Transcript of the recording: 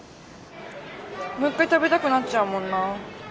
もう一回食べたくなっちゃうもんな。